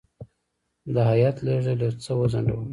د هیات لېږل یو څه وځنډول.